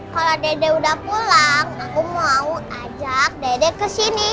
kalau dede udah pulang aku mau ajak dedek ke sini